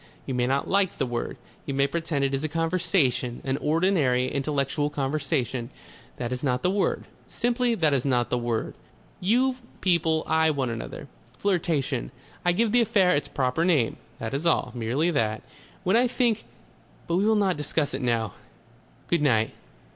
You may not like the word. You may pretend it is a conversation, an ordinary intellectual conversation. That is not the word. Simply that is not the word. You people eye one another.... Flirtation. I give the affair its proper name. That is all. Merely that. When I think But we will not discuss it now.... Good night....